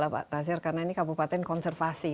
pak nasir karena ini kabupaten konservasi